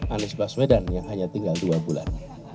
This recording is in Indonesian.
anies baswedan yang hanya tinggal dua bulan